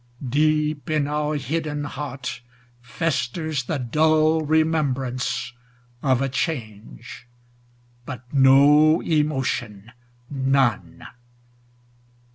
Deep in our hidden heart Festers the dull remembrance of a change, But no emotion none.